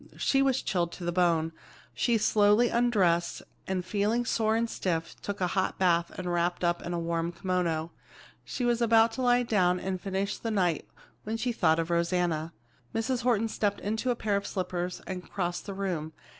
She was chilled to the bone. She slowly undressed, and feeling sore and stiff, took a hot bath and wrapped up in a warm kimono. She was about to lie down and finish the night when she thought of Rosanna. Mrs. Horton stepped into a pair of slippers and crossed the room.